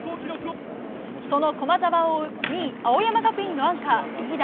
その駒澤を追う２位、青山学院のアンカー、飯田。